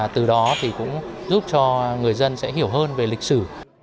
từ đó thì cũng giúp cho người dân sẽ hiểu hơn về lịch sử